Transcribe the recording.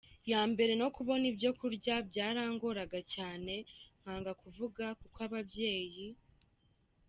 yambere no kubona ibyo kurya byarangoraga cyane nkanga kuvuga kuko ababyeyi.